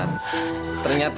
aku mau menangis